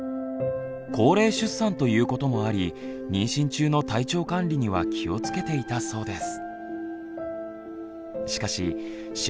高齢出産ということもあり妊娠中の体調管理には気をつけていたそうです。